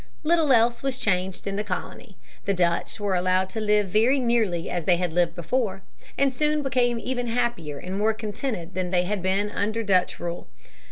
Little else was changed in the colony. The Dutch were allowed to live very nearly as they had lived before, and soon became even happier and more contented than they had been under Dutch rule.